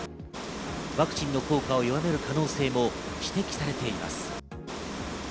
ワクチンの効果を弱める可能性も指摘されています。